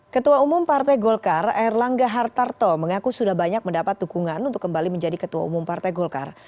ketua umum partai golkar air langga hartarto mengaku sudah banyak mendapat dukungan untuk kembali menjadi ketua umum partai golkar